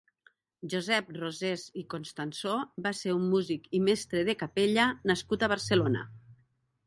Josep Rosés i Constansó va ser un músic i mestre de capella nascut a Barcelona.